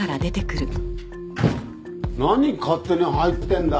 何勝手に入ってんだ。